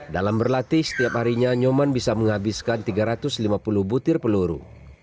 dalam berlatih setiap harinya nyoman bisa menghabiskan tiga ratus lima puluh butir peluru